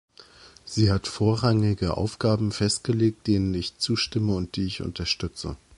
Sie hat vorrangige Aufgaben festgelegt, denen ich zustimme und die ich unterstütze.